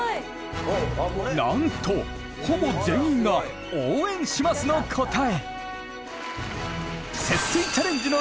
なんとほぼ全員が「応援します！」の答え。